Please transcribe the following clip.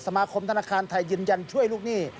สมาคมธนาคารไทยยืนยันช่วยลูกหนี้